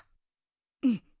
うん！